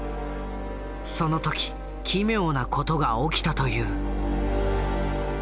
その時奇妙なことが起きたという。